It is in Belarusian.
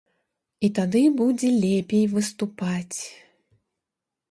І тады будзе лепей выступаць.